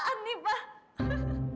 loh apaan nih pak